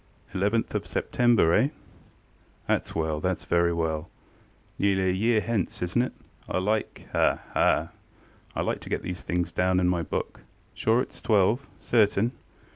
Eleventh of September, eh? ThatŌĆÖs wellŌĆöthatŌĆÖs very well. Nearly a year hence, isnŌĆÖt it? I likeŌĆöha, ha! ŌĆöI like to get these things down in my book. Sure itŌĆÖs twelve? Certain?